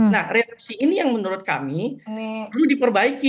nah reaksi ini yang menurut kami perlu diperbaiki